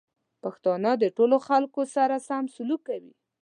پښتانه د ټولو خلکو سره سم سلوک کوي.